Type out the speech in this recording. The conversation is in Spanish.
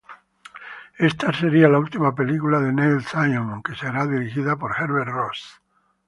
Esta sería la última película de Neil Simon que será dirigida por Herbert Ross.